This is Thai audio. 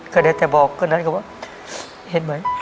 ก็ได้แต่บอกคนนั้นก็ว่าเห็นไหม